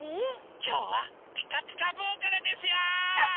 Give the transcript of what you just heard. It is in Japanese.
きょうは「ピカピカブ！」からですよ！